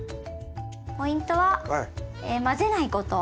ポイントは混ぜないこと。